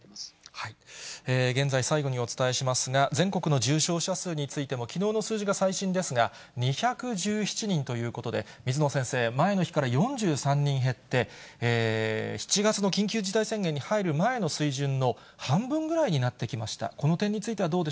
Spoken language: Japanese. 現在、最後にお伝えしますが、全国の重症者数についてもきのうの数字が最新ですが、２１７人ということで、水野先生、前の日から４３人減って、７月の緊急事態宣言に入る前の水準の半分ぐらいになってきました。